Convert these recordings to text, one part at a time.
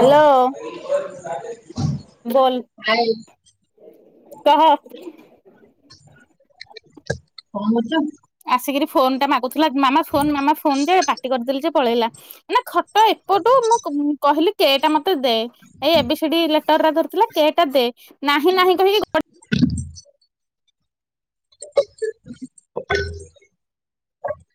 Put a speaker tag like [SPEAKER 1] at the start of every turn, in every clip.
[SPEAKER 1] Hello.
[SPEAKER 2] ଆଉ
[SPEAKER 1] ବୋଲ
[SPEAKER 2] ନାହିଁ
[SPEAKER 1] କହ।
[SPEAKER 2] କଣ କରୁଛ?
[SPEAKER 1] ଆସିକିରି ଫୋନ୍ ଟା ମାଗୁଥିଲା ମାମା ଫୋ ମା ଫୋନ ଯେ ପାଟି କରିଦେଲି ଯେ ପଳେଇଲା ନା ତ ଏପଟୁ ମୁଁ କହିଲି କେଟା ମତେ ଦେ ଏଇ ଏବେ ସେଠି ଲେଟର ଟା ଧରିଥିଲା। ସେଟା ଦେ ନାହିଁ ନାହିଁ ଘରେ
[SPEAKER 2] ଛ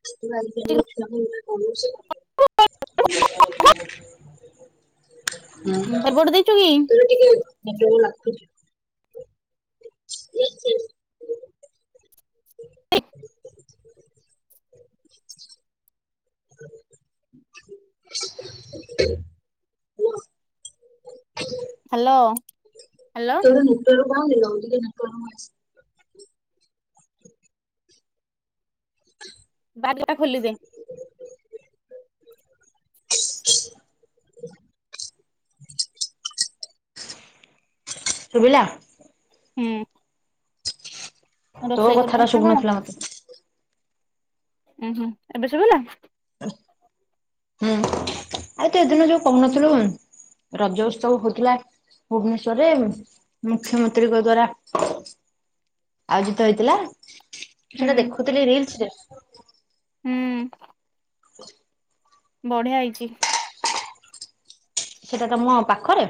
[SPEAKER 2] ହ ହୁଁ ତୋବେ ଟିକେ
[SPEAKER 1] ବରବଡ ଦେଇଛୁ କି?
[SPEAKER 2] ନଟ ଲାଗୁଛି।
[SPEAKER 1] ହଁ। ଏଇ
[SPEAKER 2] ଜ
[SPEAKER 1] ହ୍ୟାଲୋ। ହ୍ୟାଲୋ
[SPEAKER 2] ତେ ନୁର କଣ ଲଉ କି ନ?
[SPEAKER 1] ବାରିଟା ଖୋଲିଦେ।
[SPEAKER 2] ଶୁଭିଲା?
[SPEAKER 1] ହୁଁ।
[SPEAKER 2] ତୋ
[SPEAKER 1] ରୋଷେଇ କରୁଛୁ
[SPEAKER 2] କଥାଟା
[SPEAKER 1] ନା କଣ?
[SPEAKER 2] ଶୁବୁନଥିଲା ମତେ?
[SPEAKER 1] ଉୁଁ ହୁଁ ଏବେ ଶୁଭିଲା।
[SPEAKER 2] ହୁଁ ଆଉ ତୁ ଏ ଦିନ ଯୋଉ କହୁନଥିଲୁ,? ରଜ ଉତ୍ସବ ହଉଥିଲା। ଭୁବନେଶ୍ଵରରେ ମୁଖ୍ୟମନ୍ତ୍ରୀଙ୍କ ଦ୍ଵାରା ଆଉ ଜିତ ହେଇଥିଲା
[SPEAKER 1] ହୁଁ
[SPEAKER 2] ସେଟା ଦେଖୁଥିଲି ରିଲସରେ।
[SPEAKER 1] ହୁଁ।
[SPEAKER 2] ହୁ
[SPEAKER 1] ବଢିଆ ହେଇଛି।
[SPEAKER 2] ସେଇଟା ତମ ପାଖରେ?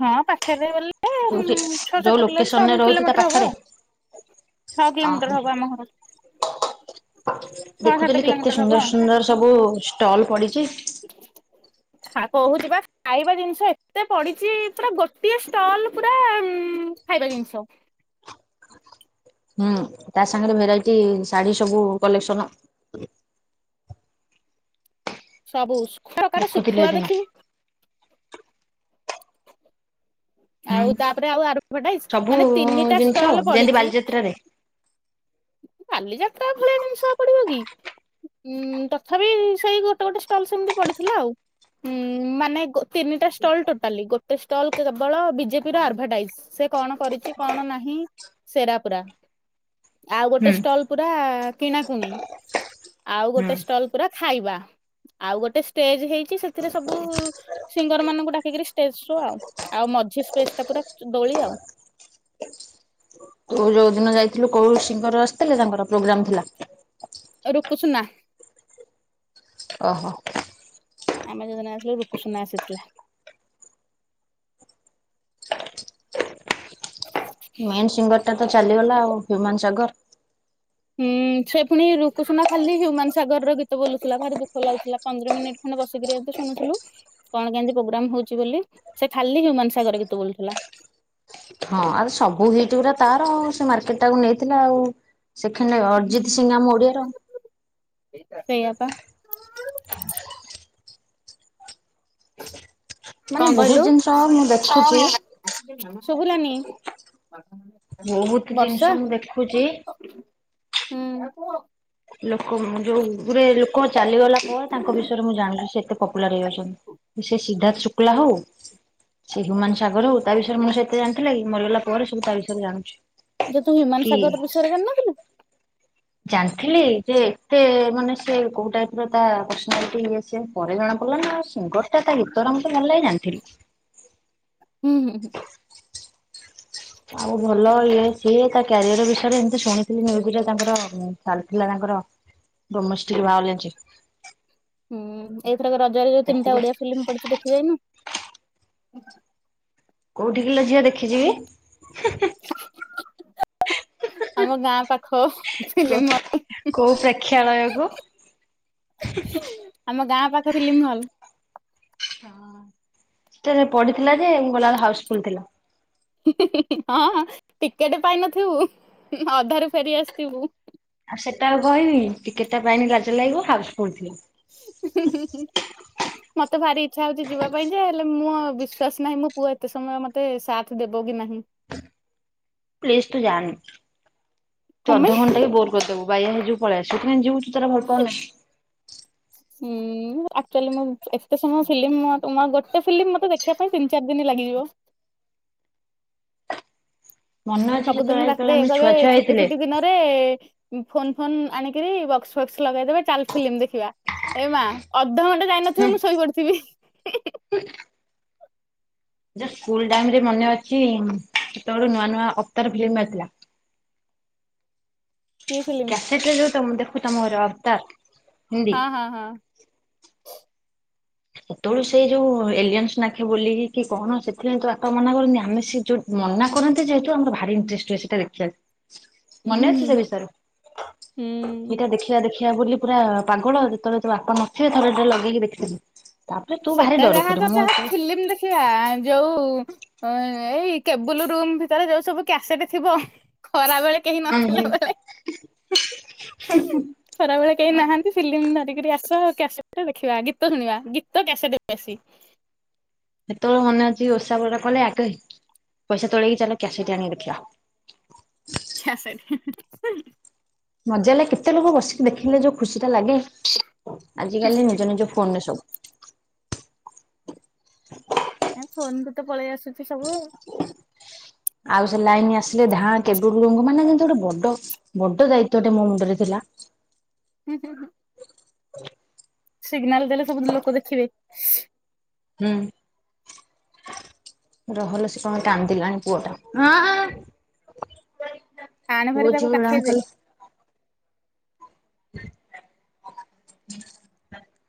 [SPEAKER 1] ହଁ ପାଖରେ ଗଲେ
[SPEAKER 2] ଯୋଉଠି
[SPEAKER 1] ଛଅ,
[SPEAKER 2] ଯୋଉ
[SPEAKER 1] ସାତ, ଛଅ
[SPEAKER 2] ଲୋକେସନରେ ରହୁଛୁ ତା
[SPEAKER 1] କିଲୋମିଟର ହବ।
[SPEAKER 2] ପାଖରେ
[SPEAKER 1] ଛଅ
[SPEAKER 2] ଅ
[SPEAKER 1] କିଲୋମିଟର ହବ ଆମ ଘରଠୁ। ସାତ
[SPEAKER 2] ଦେଖୁଥିଲି କେତେ
[SPEAKER 1] କିଲୋମିଟର ହବ
[SPEAKER 2] ସୁନ୍ଦର
[SPEAKER 1] ଆଉ।
[SPEAKER 2] ସୁନ୍ଦର ସବୁ ଷ୍ଟଲ ପଡ଼ିଛି।
[SPEAKER 1] [inaudible] ହଁ, କହୁଛି ବା ଖାଇବା ଜିନିଷ ଏତେ ପଡିଛି, ପୁରା ଗୋଟିଏ ଷ୍ଟଲ ପୁରା ଉ ଖାଇବା ଜିନିଷ।
[SPEAKER 2] ହୁଁ, ତା ସାଙ୍ଗରେ ଭେରାଇଟି ଶାଢ଼ୀ ସବୁ କଲେକ୍ସନ।
[SPEAKER 1] ସବୁ ଶଖୁଆ [unintelligible] ପ୍ରକାର
[SPEAKER 2] ଦେଖୁଥିଲେ
[SPEAKER 1] ଶୁଖୁଆ
[SPEAKER 2] ହେଦିନ।
[SPEAKER 1] ଦେଖିବୁ।
[SPEAKER 2] ହୁଁ
[SPEAKER 1] ଆଉ ତାପରେ ଆଉ ଆଡଭଟାଇଜ
[SPEAKER 2] ସବୁ
[SPEAKER 1] ମାନେ ତିନିଟା
[SPEAKER 2] ଜିନିଷ ଆଉ
[SPEAKER 1] ଷ୍ଟଲ ପଡିଛି।
[SPEAKER 2] [unintelligible]
[SPEAKER 1] ବାଲି ଯାତ୍ରା ଭଳିଆ ଜିନିଷ ଆଉ ପଡିବ କି? ଉଁ ତଥାପି ସେଇ ଗୋଟେ ଗୋଟେ ଷ୍ଟଲ ସେମିତି ପଡିଥିଲା ଆଉ। ମାନେ ଗୋ ତିନଟା ଷ୍ଟଲ ଟୋଟାଲି। ଗୋ ଗୋଟେ ଷ୍ଟଲ କେବଳ ବିଜେପିର ଆଡଭଟାଇଜ। ସେ କଣ କରିଛି, କଣ ନାହିଁ ସେରା ପୁରା। ଆଉ ଗୋଟେ
[SPEAKER 2] ହୁଁ
[SPEAKER 1] ଷ୍ଟଲ ପୁରା କିଣାକୁଣି, ଆଉ
[SPEAKER 2] ହୁଁ।
[SPEAKER 1] ଗୋଟେ ଷ୍ଟଲ ପୁରା ଖାଇବା। ଆଉ ଗୋଟେ ଷ୍ଟେଜ ହେଇଛି ସେଥିରେ ସବୁ ସିଙ୍ଗର ମାନଙ୍କୁ ଡାକିକରି ଷ୍ଟେଜ ଶୋ। ଆଉ ଆଉ ମଝି ସ୍ପେସ ଟା ପୁରା ଦୋଳି ଆଉ।
[SPEAKER 2] ତୁ ଯୋଉ ଦିନ ଯାଇଥିଲୁ କୋଉ ସିଙ୍ଗର୍ ଆସିଥିଲେ ତାଙ୍କର ପ୍ରୋଗ୍ରାମ ଥିଲା?
[SPEAKER 1] [inaudible]
[SPEAKER 2] ଓହୋଃ।
[SPEAKER 1] ଆମେ ଯୋଉଦିନ ଥିଲୁ ରୁକୁସୁନା ଆସିଥିଲା।
[SPEAKER 2] ମେନ୍ ସିଙ୍ଗର ଟା ତ ଚାଲିଗଲା ଆଉ, ହ୍ୟୁମାନ ସାଗର।
[SPEAKER 1] ହୁଁ, ସେ ପୁଣି ରୁକୁସୁନା ଖାଲି ହ୍ୟୁମାନ ସାଗର ର ଗୀତ ବୋଲୁଥିଲା ଭାରି ଦୁଃଖ ଲାଗୁଥିଲା। ପନ୍ଦର ମିନିଟ୍ ମାନେ ବସିକରି ଏମିତି ଶୁଣୁଥିଲୁ କଣ କେମତି ପ୍ରୋଗ୍ରାମ ହଉଛି ବୋଲି, ସେ ଖାଲି ହ୍ୟୁମାନ ସାଗର ଗୀତ ବୋଲୁ ଥିଲା।
[SPEAKER 2] ହଁ, ଆ ସବୁ ହିଟ୍ ଉରା ତାର ଆଉ ସେ ମାର୍କେଟ ଟାକୁ ନେଇଥିଲା ଆଉ। ସେଖଣ୍ଡ ଅରଜିତ ସିଂହ ଆମ ଓଡ଼ିଆ ର।
[SPEAKER 1] ସେଇଆ ପା।
[SPEAKER 2] ମାନେ ବହୁତ ଜିନିଷ ମୁଁ ଦେଖୁଛି।
[SPEAKER 1] [inaudible]
[SPEAKER 2] ବହୁତ ଜିନିଷ ମୁଁ ଦେଖୁଛି
[SPEAKER 1] [inaudible]
[SPEAKER 2] ଲୋକ ଯୋଉଗୁରେ ଲୋକ ଚାଲିଗଲା ପରେ ତାଙ୍କ ବିଷୟରେ ମୁଁ ଜାଣୁଛି। ସେ ଏତେ ପପୁଲାର ହେଇ ଯାଉଛନ୍ତି। ସେ ସିଦ୍ଧାର୍ଥ ଶୁକ୍ଲା ହଉ, ସେ ହ୍ୟୁମାନ ସାଗର ହଉ ତା ବିଷୟରେ ମୁଁ ସେ ତେ ଜାଣିଥିଲେ କି ମରିଗଲା ପରେ ସବୁ ତା ବିଷୟରେ ଜାଣୁଛି। କି
[SPEAKER 1] ବିଷୟ ରେ ଜାଣିନଥିଲୁ?
[SPEAKER 2] ଜାଣିଥିଲି, ଯେ ଏତେ ମାନେ ସେ କୋଉ ଟାଇପ ର ତା ପର୍ସନାଲିଟି ଇଏ ସିଏ ପରେ ଜଣା ପଡିଲା ନା। ସିଙ୍ଗର ଟା ତା ଗୀତରା ମତେ ଭଲ ଲାଗେ ଜାଣିଥିଲି।
[SPEAKER 1] ହୁଁ ହୁଁ ହୁଁ।
[SPEAKER 2] ଆଉ ଭଲ ଇଏ ସିଏ ତା କ୍ୟାରିଅର ବିଷୟରେ ଏମତି ଶୁଣିଥିଲି ନ୍ୟୁଜ୍ ରେ ତାଙ୍କର ଚାଲିଥିଲା ତାଙ୍କର ଡୋମେଷ୍ଟିକ ଭାଓଲେନ୍ସ।
[SPEAKER 1] ହୁଁ ଏଇଥର ରଜରେ ତିିଟା
[SPEAKER 2] ସେତିକି
[SPEAKER 1] ଓଡିଆ ଫିଲ୍ମ ପଡିଛି ଦେଖି ଯାଇନୁ?
[SPEAKER 2] କୋଉଠି କିଲୋ ଝିଅ ଦେଖି ଯିବି?
[SPEAKER 1] ଆମ ଗାଁ ପାଖ। ଫିଲ୍ମ ହଲ୍
[SPEAKER 2] କୋଉ ପ୍ରେକ୍ଷାଳୟକୁ?
[SPEAKER 1] ଆମ ଗାଁ ପାଖ ଫିଲ୍ମି ହଲ୍।
[SPEAKER 2] ହଁ ସେ ପଢିଥିଲା ଯେ ମୁଁ ଗଲା ବୋଳୁକୁ ହାଉସଫୁଲୁ ଥିଲା।
[SPEAKER 1] ହଁ ଟିକେଟେ ପାଇନଥିବୁ ଅଧାରୁ ଫେରି ଆସିଥିବୁ।
[SPEAKER 2] ଆଉ ସେଟା ଆଉ କହିବିନି ଟିକେଟ ଟା ପାଇନି ଲାଜ ଲାଗିବ ହାଉସୁ ଫୁଲୁ ଥିଲେ।
[SPEAKER 1] ହଁ ହଁ ହଁ। ମତେ ଭାରି ଇଚ୍ଛା ହୋଉଚି ଯିବା ପାଇଁ ଯେ ହେଲେ ମୁଁ ବିଶ୍ୱାସ ନାହିଁ ମୋ ପୁଅ ଏତେ ସମୟ ମତେ ମତେ ସାଥ ଦେବ କି ନାହିଁ?
[SPEAKER 2] ପ୍ଲିଜ୍ ତୁ ଯାଣିନୁ ତୁ
[SPEAKER 1] କଣ ପାଇଁ
[SPEAKER 2] ଅଧଘଣ୍ଟା କେ ବୋର କରିଦବୁ ବାଇଆ ହେଇ ଯିବୁ ପଳେଇ ଆସିବୁ କେମିତି ଯିବୁ। ମୁଁ ତ ଏରା ଭଲ ପାଉନେହିଁ।
[SPEAKER 1] ହୁଁ ଆକ୍ଚୁଆଲି ମୁଁ ଏତେ ସମୟ ଫିଲ୍ମି ଗୋଟେ ଫିଲ୍ମି ମତେ ଦେଖିବା ତିନି ଚାରି ଦିନି ଲାଗିଯିବ।
[SPEAKER 2] ମନେ ଅଛି ସେତେବେଳେ
[SPEAKER 1] ସବୁଦିନ
[SPEAKER 2] ଯେତେବେଳେ
[SPEAKER 1] ରାତିରେ
[SPEAKER 2] ଆମେ ଛୁଆ
[SPEAKER 1] ୟେକଲେ
[SPEAKER 2] ଛୁଆ
[SPEAKER 1] ଛୁଟି
[SPEAKER 2] ହେଇଥିଲେ
[SPEAKER 1] ଫୁଟି ବି ନ ଯେଫୋନ୍ ଫୋନ୍ ଆଣିକିରି ବକ୍ସ୍ ଫକ୍ସ୍ ଲଗେଇଦେବେ ଚାଲେ ଫିଲ୍ମି ଦେଖିବା। ଏ ମା ଅଧଘଣ୍ଟେ
[SPEAKER 2] ହେଁ
[SPEAKER 1] ଯାଇନଥିବ ମୁଁ ଶୋଇପଡିଥିମି।
[SPEAKER 2] [inaudible] ଜଷ୍ଟ୍ ସ୍କୁଲ ଟାଇମି ରେ ମନେ ଅଛି ସେତେବେଳେ ନୂଆ ନୂଆ ଅତର ଫିଲ୍ମି ବାହାରିଥିଲା।
[SPEAKER 1] କି ଫିଲ୍ମି?
[SPEAKER 2] କେତେଦୁରୁ ତମର ଦେଖୁଚିତମର ଆବ ତା
[SPEAKER 1] ହଁ ହଁ ହଁ।
[SPEAKER 2] ସେତେବେଳୁ ସେ ଯୋଉ ଏଲିଅନ୍ସ ନାଖେ ବୋଲିକି କି କଣ ସେଥି ତ ବାପା ମନା କରନ୍ତି ଆମେ ସେ ଯୋଉ ମନା କରନ୍ତି ଯେହେତୁ ଆମର ଭାରି ଇଣ୍ଟରେଷ୍ଟ ହୁଏ ସେଇଟ ଦେଖିବାକୁ।
[SPEAKER 1] [inaudible]
[SPEAKER 2] ମନେ ଅଛି ସେ ବିଷୟରେ
[SPEAKER 1] ହୁଁ
[SPEAKER 2] ଏଇଟା ଦେଖ ସେଟା ଦେଖିବା ବୋଲି ପୁରା ପାଗଳ ଯେତେବେଳେ ତୋ ବାପା ନଥିବେ ସେତେଵେଳେ ଥରେ ଲଗେଇକି ଦେଖିବି। ତାପରେ ତୁ ଭାରି ଡରଖୁରୁ ମୁଁ ଏତେ
[SPEAKER 1] ଇଆ ଯୋଉ ଏଇ କେବୁଲ୍ ରୁମ ଭିତରେ ଯୋଉ ସବୁ କ୍ୟାସେଟ ଥିବ। ଖରା ବେଳେ କେହି ନଥିଲା ବେଳେ ଖରାବେଳେ କେହି ନାହାନ୍ତି ଫିଲ୍ମି ଧରିକିରି ଆସ କ୍ୟାସେଟେ ଦେଖିବା ଗୀତ ଶୁଣିବାଗୀ ତ କ୍ୟା ସେଟେ ବେଶି।
[SPEAKER 2] ସେତେବେଳେ ମନେ ଅଛି କି ଓଷା ବେଳପଇଲେ ଆଗେ ପଇସା ତୋଳେଈକି ଚାଲ କ୍ୟାସେଟେ ଆଣିକି ଦେଖିବା।
[SPEAKER 1] କ୍ୟାସେଟେ।
[SPEAKER 2] ମଜା ଲାଗେ କେତେ ଲୋକ ବସିକି ଦେଖିଲେ ଯୋଉ ଖୁସି ଟା ଲାଗେ ଆଜିକାଲି ନିଜ ନିଜ ଫୋନ୍ ରେ ସବୁ।
[SPEAKER 1] ଫୋନ୍ କୁ ତ ପଳେଇ ଆସୁଚି ସବୁ।
[SPEAKER 2] ଆଉ ସେ ଲାଇନ୍ ଆସିଲେ ଧାଁ କେବୁଲ ରୁମୁକୁ ମାନେ ଯେମିତି ଗୋଟେ ବଡ ବଡ ଦାୟିତ୍ଵଟେ ମୋ ମୁଣ୍ଡରେ ଥିଲା।
[SPEAKER 1] ହୁଁ ହୁଁ ହୁଁ।
[SPEAKER 2] [inaudible]
[SPEAKER 1] ସିଗ୍ନିଲ ଦେଲେ ସବୁ ଲୋକ ଦେଖିବେ।
[SPEAKER 2] ହୁଁ। ରହଲୋ ସିଏକଣପାଇଁ କାନ୍ଦିଲାଣି ପୁଅ ଟା?
[SPEAKER 1] ଆଣେ ଭାରି ତାକୁ
[SPEAKER 2] ଗୁଡାକ
[SPEAKER 1] କାଖେଇ ଦେ।
[SPEAKER 2] ଖାଲି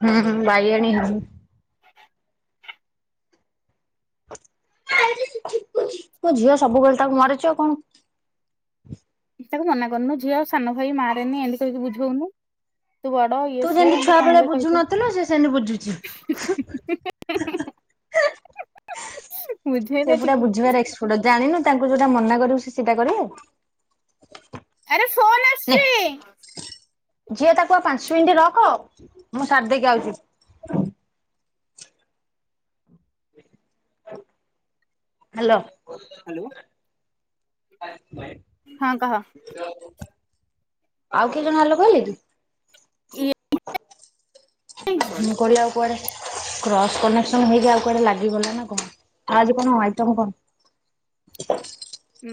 [SPEAKER 2] ହୁଁ ହୁଁ ବାଇ ଆଣି ହେମି। ମୋ ଝିଅ ସବୁବେଳେ ତାକୁ ମରୁଛି ଆଉ କଣ?
[SPEAKER 1] ତାକୁ ମନା କରୁନୁ ଝିଅ ସାନ ଭାଇ ମାରେନି ଏମତି କହିକି ବୁଝୋଉନୋହୁଁ। ତୁ ବଡ ଇଏ
[SPEAKER 2] ତୁ
[SPEAKER 1] ସିଏ
[SPEAKER 2] ଯେମିତି
[SPEAKER 1] ଏମିତି
[SPEAKER 2] ଛୁଆ
[SPEAKER 1] କଣ
[SPEAKER 2] ବେଳେ
[SPEAKER 1] ଗୁଡେ କହିଦେ।
[SPEAKER 2] ବୁଝୁନଥିଲୁ ସେ ସେମିତି ବୁଝୁଛି।
[SPEAKER 1] ବୁଝେଇ
[SPEAKER 2] ସେ
[SPEAKER 1] ଦେ
[SPEAKER 2] ପୁୁରା
[SPEAKER 1] ଟିକେ
[SPEAKER 2] ବୁଝିବାର ଏକ୍ସପର୍ଟ ଜାଣିନୁ ତାଙ୍କୁ ଯୋଉଟା ମନା କରିବୁ ସେ ସେଇଟା କରିବେ।
[SPEAKER 1] ଆରେ ଫୋନ
[SPEAKER 2] ନେ
[SPEAKER 1] ଆସୁଛି
[SPEAKER 2] ଝିଅ ତାକୁ ଆଉ ପାଞ୍ଚ ମିନିଟ୍ ରଖ ମୁଁ ସାରିଦକି ଆାଉଛି। ହ୍ୟାଲୋ।
[SPEAKER 1] ହ୍ୟାଲୋ।
[SPEAKER 2] [unintelligible]
[SPEAKER 1] ହଁ କହ।
[SPEAKER 2] ଆଉ କେ ଜଣ ହ୍ୟାଲୋ କହିଲେ କି?
[SPEAKER 1] [unintelligible]
[SPEAKER 2] ହଁ କହିଲି ଆଉ କୁଆଡେ କ୍ରସ କନେକ୍ସନ ହେଇକି ଆଉ କୁଆଡେ ଲାଗିଗଲା ନା କଣ। ଆଉ ଆଜି କଣ ଆଇଟମ୍ କଣ?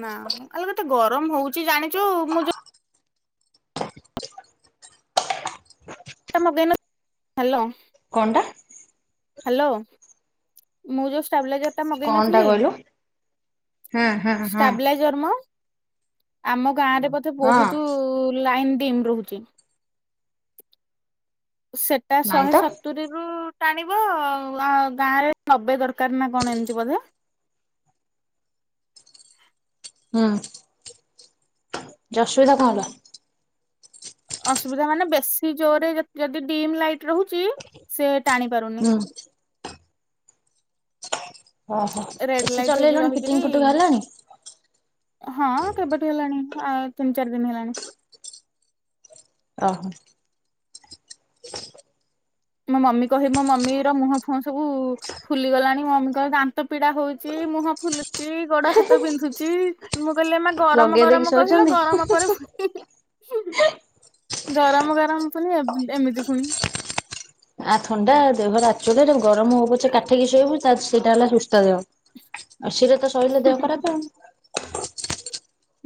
[SPEAKER 1] ନା ଆଲୋ କେତେ ଗରମ ହଉଚି ଜାଣିଚୁ ମୁଁ ଯୋ [unintelligible] ହାଲୋ।
[SPEAKER 2] କଣ ଟା?
[SPEAKER 1] ହ୍ୟାଲୋ ମୁଁ ଯୋଉ ସ୍ତବ୍ଲାଲାଇଜର ମଗେଇ
[SPEAKER 2] କଣ ଟା
[SPEAKER 1] ନଥିଲି
[SPEAKER 2] କହିଲୁ ହୁଁ ହୁଁ ହଁ
[SPEAKER 1] ଷ୍ଟାବିଲାଇଜର୍ ମ। ଆମ ଗାଁରେ ବୋଧେ
[SPEAKER 2] ହଁ
[SPEAKER 1] ବହୁତ ଲାଇନ ଡିମ୍ ରହୁଚି। ସେଟା
[SPEAKER 2] ନାଇଁ
[SPEAKER 1] ଶହେ
[SPEAKER 2] ତ
[SPEAKER 1] ସତୁରିରୁ ଟାଣିବ ଆ ଗାଁ ରେ ନବେ ଦରକାର ନା କଣ ଏମିତି ବୋଧ।
[SPEAKER 2] ହୁଁ ଜେ ଅସୁବିଧା କଣ ହେଲା।
[SPEAKER 1] ଅସୁବିଧା ମାନେ ବେଶି ଜୋରରେ ଯଦି ଡିମ୍ ଲାଇଟ୍ ରହୁଚି ସେ ଟାଣି ପାରୁନି।
[SPEAKER 2] ହୁଁ ଓହୋ
[SPEAKER 1] ରେଡ୍
[SPEAKER 2] ଏସି
[SPEAKER 1] ଲାଇଟ୍ ହେଇକି
[SPEAKER 2] ଚଲେଇଲାଣି
[SPEAKER 1] ରହିକିରି
[SPEAKER 2] ଫିଟିଙ୍ଗ ଫୁଟିଙ୍ଗ ହେଲାଣି।
[SPEAKER 1] ହଁ କେବାଟି ହେଲାଣି ଆ ତିନି ଚାରି ଦିନ ହେଲାଣି।
[SPEAKER 2] ଓହୋ।
[SPEAKER 1] ମୋ ମମି କହିବି ମୋ ମମି ର ମୁହଁ ଫୁହଁ ସବୁ ଫୁଲି ଗଲାଣି ମମିଙ୍କ ଦାନ୍ତ ପିଡା ହଉଚି ମୁହଁ ଫୁଲୁଚି ଗୋଡ ହାତ ବିନ୍ଧୁଚି ମୁଁ କହିଲି ଏ ମା ଗରମ
[SPEAKER 2] ଲଗେଇ ଦେଇକି
[SPEAKER 1] ଗରମ କହିଲା
[SPEAKER 2] ଶୋଇଛନ୍ତି?
[SPEAKER 1] ଗରମ ପରେ ଫୁଣି ଗରମ ଗରମ ପୁଣି ଏମିତି ପୁଣି।
[SPEAKER 2] ଆ ଥଣ୍ଡା ଦେହର ଆଚୁଲି ଗରମ ହବ ପଛେ କାଠେଇକି ଶୋଇବୁ ସେଇଟା ହେଲା ସୁସ୍ତା ଦେହ। ଏ ସି ରେ ତ ସୋଇଲେ ଦେହ ଖରାପ ଆଉ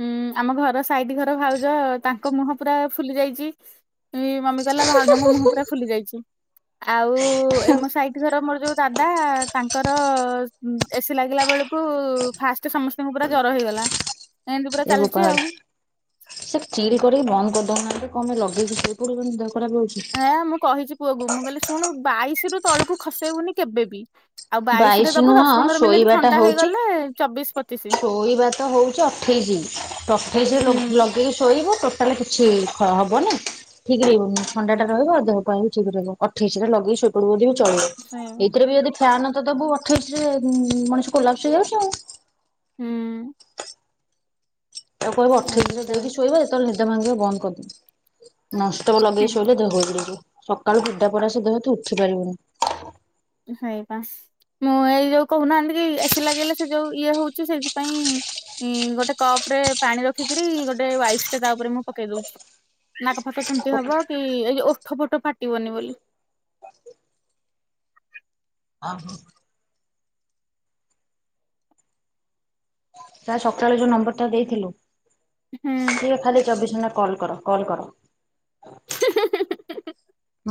[SPEAKER 1] ହୁଁ ଆମ ଘର ସାଇଠ ଘର ଭାଉଜ ତାଙ୍କ ମୁହଁ ପୁରା ଫୁଲି ଯାଇଚି। ଏଇ ମମି କହିଲା ଭାଉଜଙ୍କ ମୁହଁ ପୁରା ଫୁଲି ଯାଇଚି। ଆଉ ଏ ମୋ ସାଇଟ ଘର ମୋର ଯୋଉ ଦାଦା ତାଙ୍କର ଏସି ଲାଗିଲା ବେଳକୁ ଫାଷ୍ଟ ସମସ୍ତଙ୍କୁ ପୁରା ଜର ହେଇଗଲା। ଏମିତି ପୁରା ଚାଲିଛି ଆଉ।
[SPEAKER 2] [unintelligible] ସେ ଚିଡ କରିକି ବନ୍ଦ କରିଦଉବାହାନ୍ତି କମେ ଲଗେଇକି ସେଇ ପଡୁଚନ୍ତି ଦେହ ଖରାପ ହୋଉଚି।
[SPEAKER 1] ହଁ ମୁଁ କହିଛି ପୁଅକୁ ମୁଁ କହିଲି ଶୁଣ ବାଇଶି ରୁ ତଳକୁ ଖସେଇବୁନି କେବେବି। ଆଉ ବାଇଶ ରେ
[SPEAKER 2] ବାଇଶି
[SPEAKER 1] ଦବୁ
[SPEAKER 2] ନୁହଁ
[SPEAKER 1] ଦଶ ପନ୍ଦର ମିନିଟ
[SPEAKER 2] ଶୋଇବାଟା
[SPEAKER 1] ଥଣ୍ଡା
[SPEAKER 2] ହଉଛି
[SPEAKER 1] ହେଇଗଲେ ଚବିଶ ପଚିଶି
[SPEAKER 2] ଶୋଇବା ତ ହଉଚି ଅଠେଇଶି ଅଠେଇଶି
[SPEAKER 1] ହୁଁ
[SPEAKER 2] ଲଗେଇକି ଶୋଇବ। ଟୋଟାଲେ କିଛି ଖ ହବନି। ଠିକ ରହିବନି ଥଣ୍ଡା ଟ ରହିବ ଦେହ କହ ଠିକ ରହିବ ଅଠେଇଶଟରେ ଲଗେଇ ଶୋ [unintelligible] ବି ଚଳିବ
[SPEAKER 1] ସେଇବା।
[SPEAKER 2] ଏଇଥିରେ ବି ଯଦି ଫ୍ୟାନ୍ ତ ଦେବୁ ଅଠେଇଶିରେ ଉ ମଣିଷ କୋଲାପସ ହେଇ ଯାଉଚି ଆଉ।
[SPEAKER 1] ହୁଁ।
[SPEAKER 2] ତାକୁ କହିବ
[SPEAKER 1] ଏମିତି
[SPEAKER 2] ଅଠେଇଶରେ ଦେଇକି
[SPEAKER 1] ଚାଲିଛି
[SPEAKER 2] ଶୋଇବା ଯେତେବେଳେ ନିଦ ଭାଙ୍ଗିବା ବନ୍ଦ କରିଦବ। ନନ ଷ୍ଟପ୍ ଲଗେଇ ଶୋଇଲେ ଦେହ ଜଳିପୋଡି ହେଇଯିବ, ସକାଳୁ [unintelligible] ସେ ଦେହ ତୁ ଉଠି ପାରିବୁନି।
[SPEAKER 1] ସେଇ ପା। ମୁଁ ଏଇ ଯୋଉ କହୁନାହାନ୍ତି କି ଏସି ଲାଗିଗଲେ ସେ ଯୋଉ ଇଏ ହଉଛି ସେଇଥିପାଇଁ ଇ-ଗୋଟେ କପ୍ ରେ ପାଣି ରଖିକିରି ଗୋଟେ ୱାଇଫ୍ ଟେ ତା ଉପରେ ମୁଁ ପକେଇ ଦଉଛି। ନା କ ହତଛନ୍ତି ହବ କି ଏଇ ଯେ ଓଠ ଫଟ ଫାଟିବନି ବୋଲି।
[SPEAKER 2] ଆ [inaudible] ତା ସକାଳୁ ଯୋଉ ନମ୍ବର ଟା ଦେଇଥିଲୁ।
[SPEAKER 1] ହୁଁ।
[SPEAKER 2] ସେ ଖାଲି ଚବିଶ ଘଣ୍ଟା କଲ୍ କର କଲ୍ କର।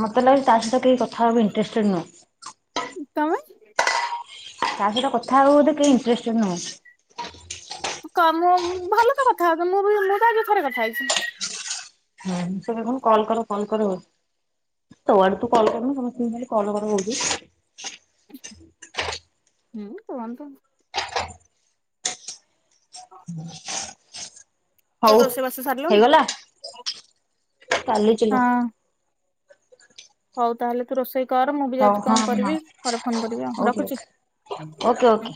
[SPEAKER 2] ମୋତେ ଲାଗୁଚି ତା ସହି କେହି କଥାହବା ପାଇଁ ଇଣ୍ଟରେଷ୍ଟେଡ୍ ନୁହଁ।
[SPEAKER 1] ତୋମେ?
[SPEAKER 2] ତା ସହିତ କଥା ହବାକୁ ବୋଧେ କେହି ଇଣ୍ଟରେଷ୍ଟଡ୍ ନୁହଁ।
[SPEAKER 1] କଅ ମୁଁ ଭଲ ତ କଥା ହଉଚ ମୁଁ ବି ମୁଁ ତ ଆଜି ଥରେ କଥା ହେଇଛି।
[SPEAKER 2] ହଁ ସେ ଖାଲି କନ କଲ୍ କର କଲ୍ କର ହଉଛି। ତ ଆଡୁ ତୁ କଲ୍ କରନୁ ସମସ୍ତଙ୍କୁ ଖାଲି କଲ୍ କର ହଉଛୁ।
[SPEAKER 1] ହୁଁ, କୁହନ୍ତୁ।
[SPEAKER 2] [unintelligible] ହଉ
[SPEAKER 1] ତୋର ରୋଷେଇ ବାସ ସାରିଲଣି?
[SPEAKER 2] ହେଇଗଲା?
[SPEAKER 1] ହଁ ହଉ ତାହେଲେ ତୁ ରୋଷେଇ କର, ମୁଁ ବି
[SPEAKER 2] ହଉ
[SPEAKER 1] ଯାଉଛି
[SPEAKER 2] ହଁ
[SPEAKER 1] କଣ
[SPEAKER 2] ହଁ
[SPEAKER 1] କରିବି ପରେ ଫୋନ୍ କରିବି ଆଉ
[SPEAKER 2] ଓକେ ଓକେ
[SPEAKER 1] ରଖୁଛି।
[SPEAKER 2] Okay okay.